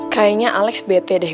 kayaknya alex bete deh